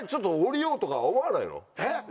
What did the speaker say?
えっ？